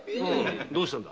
どうしたんだ？